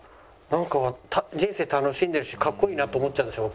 なんか人生楽しんでるしかっこいいなと思っちゃうんですよ